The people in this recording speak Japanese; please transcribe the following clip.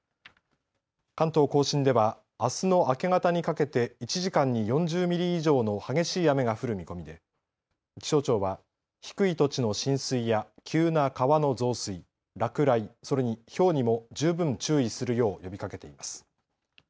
関東甲信ではあすの明け方にかけて１時間に４０ミリ以上の激しい雨が降る見込みで気象庁は低い土地の浸水や急な川の増水、落雷それにひょうにも十分注意するよう呼びかけています。